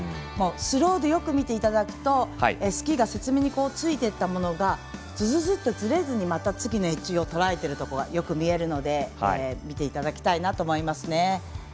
スローでよく見ていただくとスキーが雪面についていたものがずずずっと、ずれずにまた次のエッジをとらえているところがよく見えるので見ていただきたいなと思いますね。